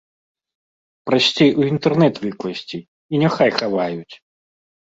Прасцей у інтэрнэт выкласці, і няхай хаваюць!